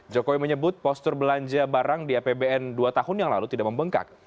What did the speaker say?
jokowi menyebut postur belanja barang di apbn dua tahun yang lalu tidak membengkak